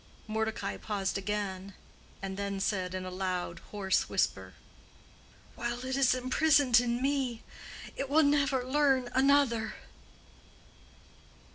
Mordecai paused again, and then said in a loud, hoarse whisper, "While it is imprisoned in me, it will never learn another."